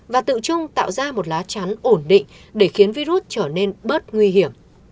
và tự trung tạo ra một lá trắn ổn định để khiến virus trở nên bớt nguy hiểm